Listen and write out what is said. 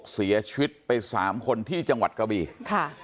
เสียชีวิตไปสามคนที่จังหวัดกะบี่ค่ะ